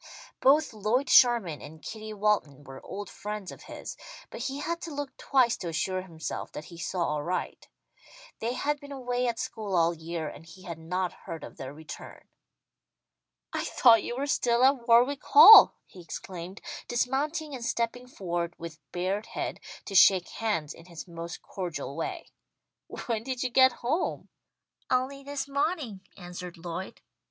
Both Lloyd Sherman and Kitty Walton were old friends of his, but he had to look twice to assure himself that he saw aright. They had been away at school all year, and he had not heard of their return. "I thought you were still at Warwick Hall!" he exclaimed, dismounting and stepping forward with bared head, to shake hands in his most cordial way. "When did you get home?" "Only this mawning," answered Lloyd.